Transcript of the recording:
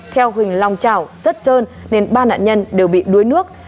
theo huyền long trào rất trơn nên ba nạn nhân đều bị đuối nước